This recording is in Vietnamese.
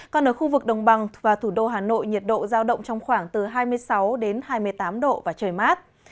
còn ở khu vực đồng bằng và thủ đô hà nội nhiệt độ giao động trong khoảng từ hai mươi sáu đến hai mươi tám độ và trời mát